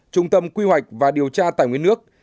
trung tâm quy hoạch và điều tra tài nguyên nước